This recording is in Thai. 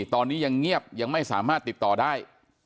ตอนนี้ยังเงียบยังไม่สามารถติดต่อได้